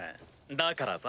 だからさ